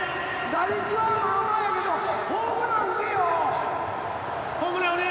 打率はまあまあやけどホームラン打てよ。